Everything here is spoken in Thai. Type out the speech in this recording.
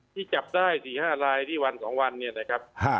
ที่จับได้๔๕ลายที่วัน๒วันเนี่ยนะครับ